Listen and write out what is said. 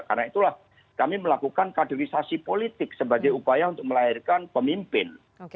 karena itulah kami melakukan kaderisasi politik sebagai upaya untuk melahirkan pemimpin